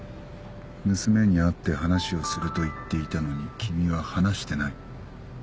娘に会って話をすると言っていたのに君は話してない。